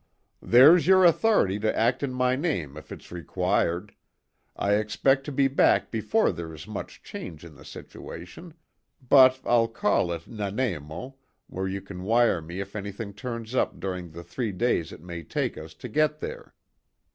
"There's your authority to act in my name if it's required. I expect to be back before there's much change in the situation; but I'll call at Nanaimo, where you can wire me if anything turns up during the three days it may take us to get there."